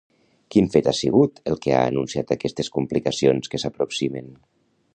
Quin fet ha sigut el que ha anunciat aquestes complicacions que s'aproximen?